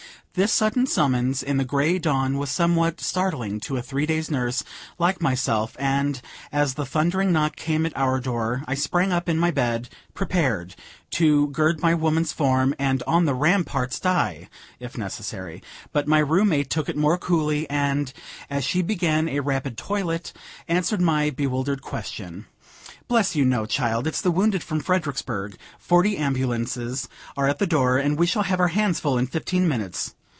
This sudden summons in the gray dawn was somewhat startling to a three days' nurse like myself, and, as the thundering knock came at our door, I sprang up in my bed, prepared "To gird my woman's form, And on the ramparts die," if necessary; but my room mate took it more coolly, and, as she began a rapid toilet, answered my bewildered question, "Bless you, no child; it's the wounded from Fredericksburg; forty ambulances are at the door, and we shall have our hands full in fifteen minutes."